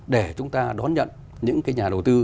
để chúng ta đón nhận những cái nhà đầu tư